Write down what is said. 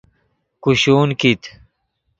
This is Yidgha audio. کوشون کیت